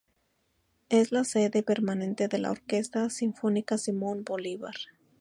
Es la sede permanente de la Orquesta Sinfónica Simón Bolívar.